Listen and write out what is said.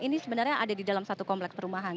ini sebenarnya ada di dalam satu kompleks perumahan